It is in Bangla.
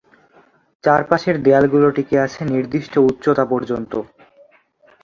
চারপাশের দেয়ালগুলো টিকে আছে নির্দিষ্ট উচ্চতা পর্যন্ত।